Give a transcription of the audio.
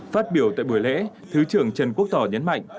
phát biểu tại buổi lễ thứ trưởng trần quốc tỏ nhấn mạnh